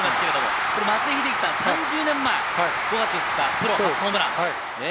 今、松井秀喜さん、３０年前プロ初、ホームラン。